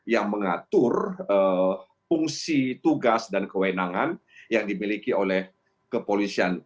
yang mengatur fungsi tugas dan kewenangan yang dimiliki oleh kepolisian